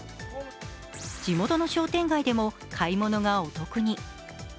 地元の商店街でも買い物がお得に。